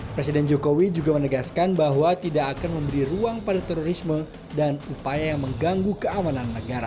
presiden jokowi juga menegaskan bahwa tidak akan memberi ruang pada terorisme dan upaya yang mengganggu keamanan negara